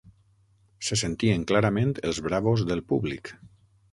Se sentien clarament els bravos del públic.